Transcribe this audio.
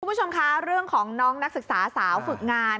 คุณผู้ชมคะเรื่องของน้องนักศึกษาสาวฝึกงาน